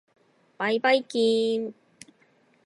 ばいばいきーーーん。